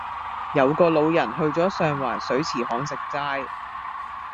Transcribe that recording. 有個老人去左上環水池巷食齋